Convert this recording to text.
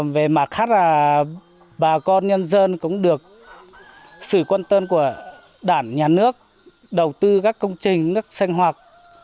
về mặt khác là bà con nhân dân cũng được sự quan tâm của đảng nhà nước đầu tư các công trình nước xanh hoạt